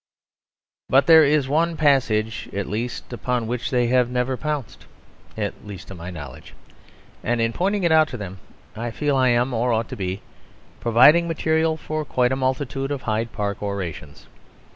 But there is one passage at least upon which they have never pounced, at least to my knowledge; and in pointing it out to them I feel that I am, or ought to be, providing material for quite a multitude of Hyde Park orations.